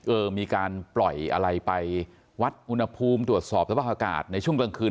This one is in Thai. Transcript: เออมีการปล่อยอะไรไปวัดอุณหภูมิตรวจสอบสภาพอากาศในช่วงกลางคืน